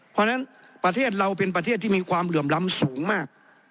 เพราะฉะนั้นประเทศเราเป็นประเทศที่มีความเหลื่อมล้ำสูงมาก